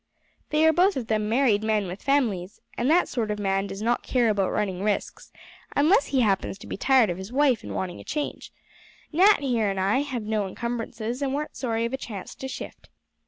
They are both of them married men, with families, and that sort of man does not care about running risks, unless he happens to be tired of his wife and wanting a change. Nat here and I have no incumbrances, and weren't sorry of a chance to shift.